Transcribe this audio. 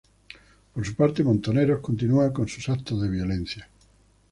Por su parte Montoneros continúa con sus actos de violencia.